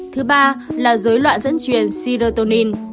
thứ ba là dối loạn dẫn truyền serotonin